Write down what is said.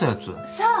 そう